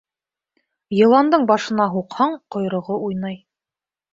Йыландың башына һуҡһаң, ҡойроғо уйнай.